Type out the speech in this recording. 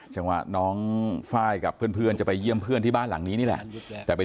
จังหวะน้องไฟล์กับเพื่อนจะไปเยี่ยมเพื่อนที่บ้านหลังนี้นี่แหละแต่ไป